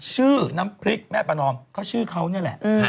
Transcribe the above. น้ำพริกแม่ประนอมก็ชื่อเขานี่แหละ